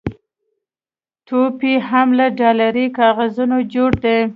ټوپ یې هم له ډالري کاغذونو جوړ دی.